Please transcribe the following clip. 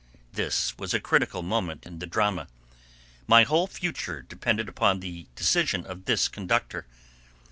This was a critical moment in the drama. My whole future depended upon the decision of this conductor.